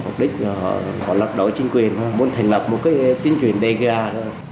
mục đích là họ lập đổi chính quyền muốn thành lập một tín quyền đầy gà thôi